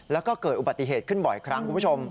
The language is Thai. แล้วก็เกิดอุบัติเหตุขึ้นบ่อยครั้งคุณผู้ชม